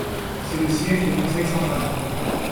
C'est le siège du Conseil central.